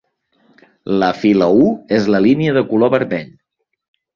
La fila u és la línia de color vermell.